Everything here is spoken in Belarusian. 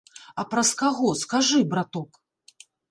А праз каго, скажы, браток?